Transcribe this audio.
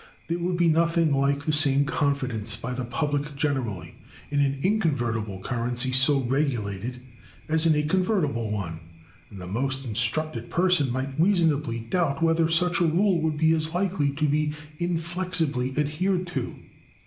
There would be nothing like the same confidence, by the public generally, in an inconvertible currency so regulated, as in a convertible one: and the most instructed person might reasonably doubt whether such a rule would be as likely to be inflexibly adhered to.